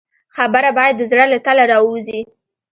خبره باید د زړه له تله راووځي.